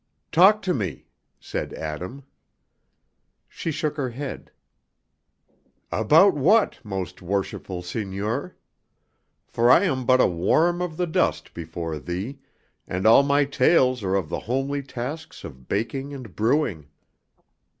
"Talk to me," said Adam. She shook her head. "About what, most worshipful seigneur? For I am but a worm of the dust before thee, and all my tales are of the homely tasks of baking and brewing.